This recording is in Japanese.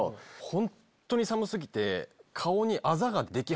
ホントに寒過ぎて。